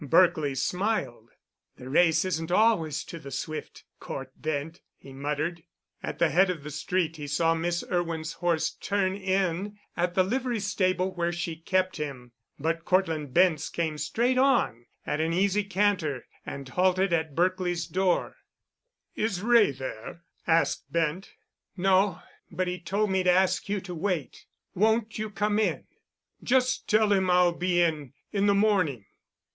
Berkely smiled. "The race isn't always to the swift, Cort Bent," he muttered. At the head of the street he saw Miss Irwin's horse turn in at the livery stable where she kept him, but Cortland Bent's came straight on at an easy canter and halted at Berkely's door. "Is Wray there?" asked Bent. "No, but he told me to ask you to wait. Won't you come in?" "Just tell him I'll be in in the morning."